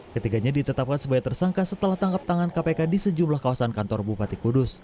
ketiganya ditetapkan sebagai tersangka setelah tangkap tangan kpk di sejumlah kawasan kantor bupati kudus